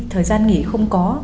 thời gian nghỉ không có